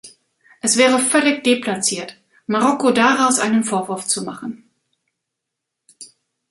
Es wäre völlig deplaziert, Marokko daraus einen Vorwurf zu machen.